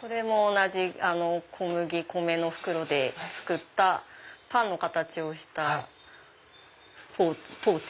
それも同じ小麦米の袋で作ったパンの形をしたポーチ。